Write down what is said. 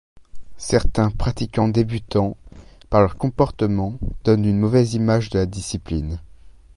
Certains pratiquants débutants, par leur comportement, donnent une mauvaise image de la discipline.